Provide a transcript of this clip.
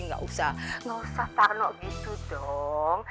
gak usah gak usah tarno gitu dong